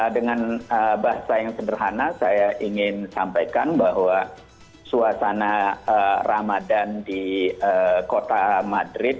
dengan bahasa yang sederhana saya ingin sampaikan bahwa suasana ramadan di kota madrid